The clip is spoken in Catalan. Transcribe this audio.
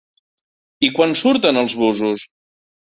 I quan surten els busos?